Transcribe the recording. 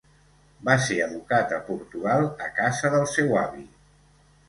Va ser educat a Portugal a casa del seu avi.